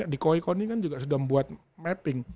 di koi koni kan juga sudah membuat mapping